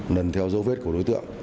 lần theo dấu vết của đối tượng